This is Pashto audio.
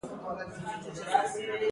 د چلغوزي دانه د قوت لپاره وکاروئ